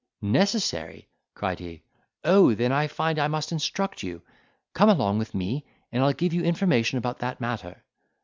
"Necessary:" cried he, "Oh then I find I must instruct you: come along with me, and I'll give you information about that matter."